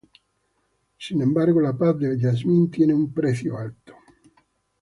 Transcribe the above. Sin embargo, la paz de Jasmine tiene un precio alto.